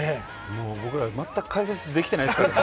もう僕ら、全く解説できてないですからね。